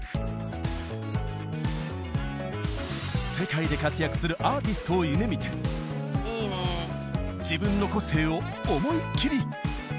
世界で活躍するアーティストを夢見て自分の個性を思いっきり。